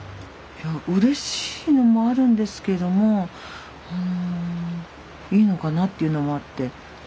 いやうれしいのもあるんですけどもいいのかなっていうのもあって。